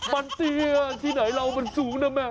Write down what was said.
มันเตี้ยที่ไหนเรามันสูงนะแม่